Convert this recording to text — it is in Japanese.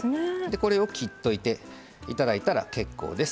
これを切っておいていただいたら結構です。